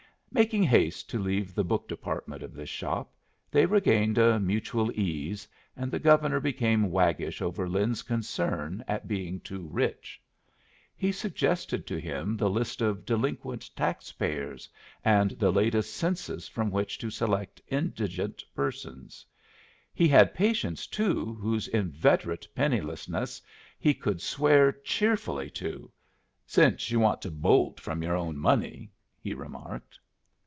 Making haste to leave the book department of this shop, they regained a mutual ease, and the Governor became waggish over Lin's concern at being too rich. He suggested to him the list of delinquent taxpayers and the latest census from which to select indigent persons. He had patients, too, whose inveterate pennilessness he could swear cheerfully to "since you want to bolt from your own money," he remarked.